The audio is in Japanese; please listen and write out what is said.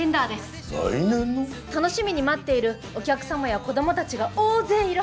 楽しみに待っているお客様や子どもたちが大勢いるはずです。